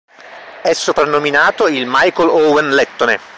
È soprannominato "il Michael Owen lettone".